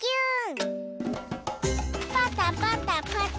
パタパタパタ。